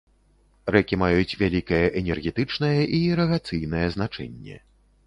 Рэкі маюць вялікае энергетычнае і ірыгацыйнае значэнне.